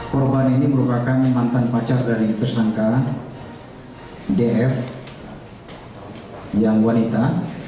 korban ini merupakan mantan pacar dari tersangka df yang wanita